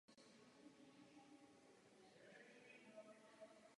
Ale ani není naším úkolem pokračovat v tradicích.